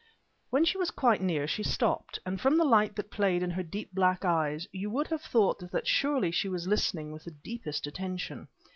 When she was quite near she stopped, and from the light that played in her deep black eyes you would have thought that surely she was listening with the deepest attention.